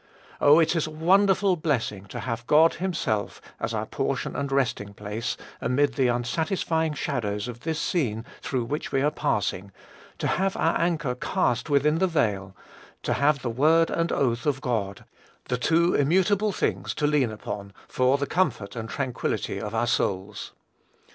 Oh, it is a wonderful blessing to have God himself as our portion and resting place, amid the unsatisfying shadows of this scene through which we are passing; to have our anchor cast within the veil; to have the word and oath of God, the two immutable things, to lean upon, for the comfort and tranquillity of our souls.